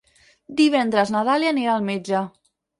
Divendres na Dàlia anirà al metge.